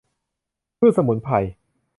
พืชสมุนไพร